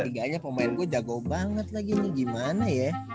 ini tiga tiganya pemain gue jago banget lagi nih gimana ya